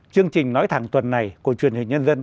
chương trình nói thẳng tuần này của truyền hình nhân dân